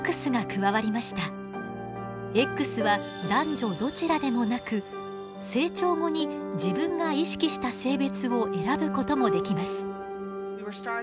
Ｘは男女どちらでもなく成長後に自分が意識した性別を選ぶこともできます。